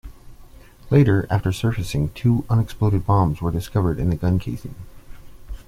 Later, after surfacing, two unexploded bombs were discovered in the gun-casing.